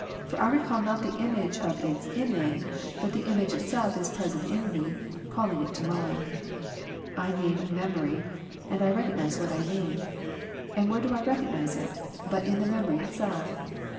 For I recal not the image of its image, but the image itself is present to me, calling it to mind. I name memory, and I recognize what I name. And where do I recognize it, but in the memory itself